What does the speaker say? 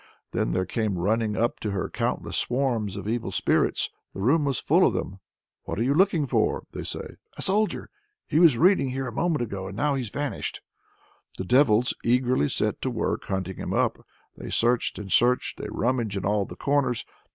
Then there came running up to her countless swarms of evil spirits; the room was full of them! "What are you looking for?" say they. "A soldier. He was reading here a moment ago, and now he's vanished!" The devils eagerly set to work to hunt him up. They searched and searched, they rummaged in all the corners.